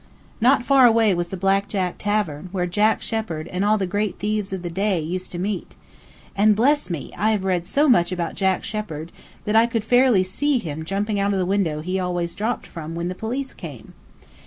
Not far away was the Black Jack Tavern, where Jack Sheppard and all the great thieves of the day used to meet. And bless me! I have read so much about Jack Sheppard that I could fairly see him jumping out of the window he always dropped from when the police came.